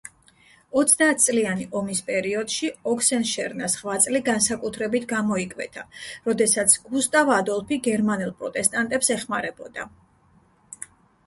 ოცდაათწლიანი ომის პერიოდში ოქსენშერნას ღვაწლი განსაკუთრებით გამოიკვეთა, როდესაც გუსტავ ადოლფი გერმანელ პროტესტანტებს ეხმარებოდა.